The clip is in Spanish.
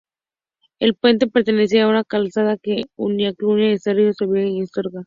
El puente pertenecía a una calzada que unía Clunia con Cantabria, Segovia y Astorga.